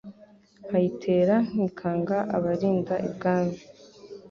Nkayitera ntikanga abarinda ibwami